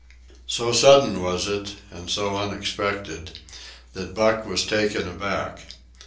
So sudden was it, and so unexpected, that Buck was taken aback.